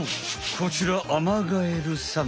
こちらアマガエルさん。